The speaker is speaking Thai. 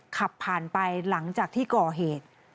ขับผ่านไปหลังจากที่ก่อเหตุ